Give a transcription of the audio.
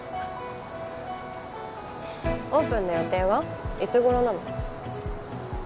オープンの予定はいつ頃なの？